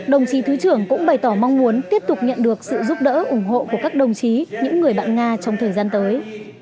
đồng chí thứ trưởng cũng bày tỏ mong muốn tiếp tục nhận được sự giúp đỡ ủng hộ của các đồng chí những người bạn nga trong thời gian tới